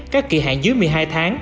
các kỳ hạn dưới một mươi hai tháng